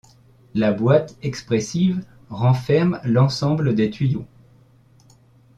La boîte expressive renferme l’ensemble des tuyaux.